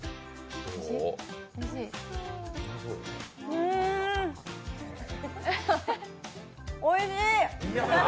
うーんおいしい！